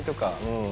うん。